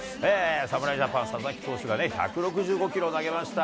侍ジャパン、佐々木投手が１６５キロを投げました。